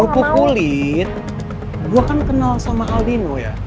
rupuk kulit gue kan kenal sama aldino ya